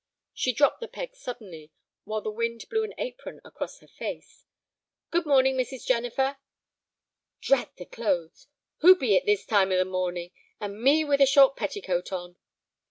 She dropped the peg suddenly, while the wind blew an apron across her face. "Good morning, Mrs. Jennifer." "Drat the clothes! Who be it this time of the morning? And me with a short petticoat on!"